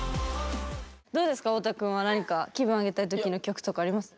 どうですか太田くんは何か気分アゲたい時の曲とかあります？